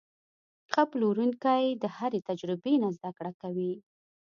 ښه پلورونکی د هرې تجربې نه زده کړه کوي.